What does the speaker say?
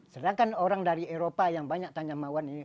sedangkan orang dari eropa yang banyak tanya mauan ini